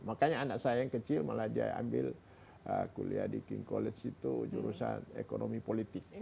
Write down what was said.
makanya anak saya yang kecil malah dia ambil kuliah di king college itu jurusan ekonomi politik